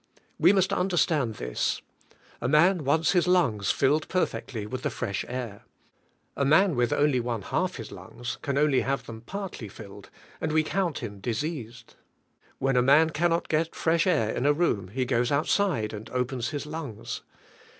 We must un derstand this. A man wants his lungs filled per fectly with the fresh air. A man with only one half his lungs can only have them partly filled and we count him diseased. When a man cannot get fresh air in a room he goes outside and opens his lungs.